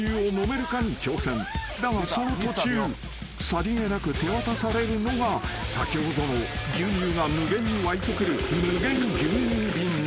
［だがその途中さりげなく手渡されるのが先ほどの牛乳が無限に湧いてくる無限牛乳瓶なのだ］